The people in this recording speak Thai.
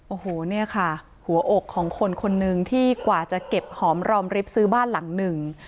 โอ้โหเนี่ยค่ะหัวอกของคนคนนึงที่กว่าจะเก็บหอมรอมริบซื้อบ้านหลังหนึ่ง